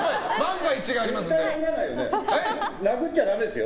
殴っちゃダメですよ！